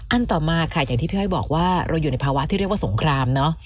ต่อมาค่ะอย่างที่พี่อ้อยบอกว่าเราอยู่ในภาวะที่เรียกว่าสงครามเนอะ